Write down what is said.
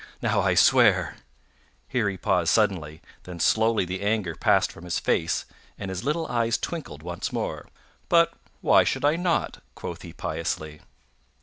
Now I swear " Here he paused suddenly, then slowly the anger passed from his face, and his little eyes twinkled once more. "But why should I not?" quoth he piously.